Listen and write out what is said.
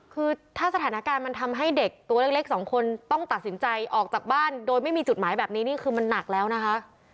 คือถ้าสถานการณ์มันทำให้เด็กตัวเล็กสองคนต้องตัดสินใจออกจากบ้านโดยไม่มีจุดหมายแบบนี้นี่คือมันหนักแล้วนะคะ